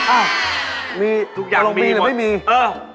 อ้าวมีตกลงมีหรือไม่มีมีทุกอย่างมีหมด